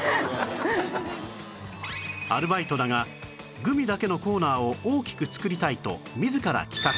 アルバイトだがグミだけのコーナーを大きく作りたいと自ら企画